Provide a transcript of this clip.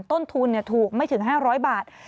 ต้นทุนถูกไม่ถึง๕๐๐บาท